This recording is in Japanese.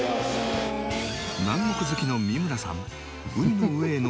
南国好きの三村さん